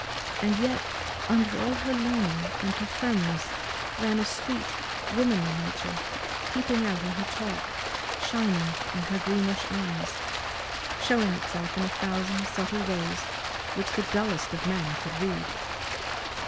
And yet under all her learning and her firmness ran a sweet, womanly nature, peeping out in her talk, shining in her greenish eyes, showing itself in a thousand subtle ways which the dullest of men could read.